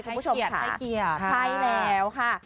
ขนชมค่ะให้เกลียดค่ะ